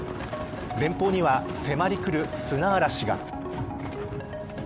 前方には迫りくる砂嵐が。